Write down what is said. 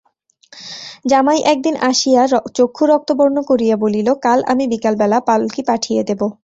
জামাই একদিন আসিয়া চক্ষু রক্তবর্ণ করিয়া বলিল, কাল আমি বিকালবেলা পালকি পাঠিয়ে দেব।